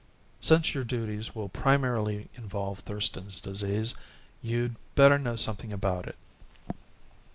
Since your duties will primarily involve Thurston's Disease, you'd better know something about it."